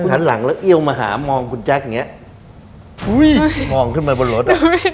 ขันหลังแล้วเอี่ยวมาหามองคุณแจ๊คอย่างนี้มองขึ้นมาบนรถ